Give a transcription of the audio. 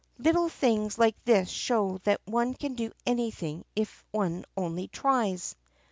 Little things like this show that one can do anything if one only tries.